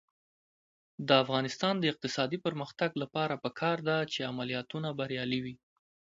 د افغانستان د اقتصادي پرمختګ لپاره پکار ده چې عملیاتونه بریالي وي.